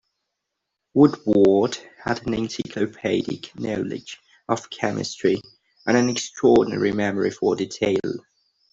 Woodward had an encyclopaedic knowledge of chemistry, and an extraordinary memory for detail.